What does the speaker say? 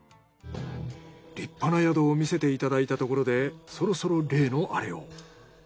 立派な宿を見せていただいたところでそろそろ例のアレを。